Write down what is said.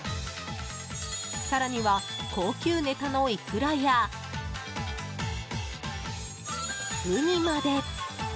更には高級ネタのイクラやウニまで。